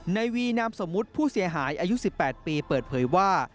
ในวีนามสมมุติผู้เสียหายอายุ๑๘ปีเปิดเผยว่า